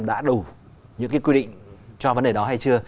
đã đủ những quy định cho vấn đề đó hay chưa